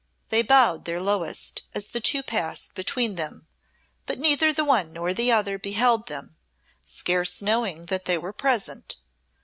They bowed their lowest as the two passed between them, but neither the one nor the other beheld them, scarce knowing that they were present.